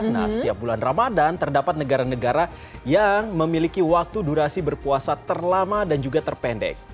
nah setiap bulan ramadan terdapat negara negara yang memiliki waktu durasi berpuasa terlama dan juga terpendek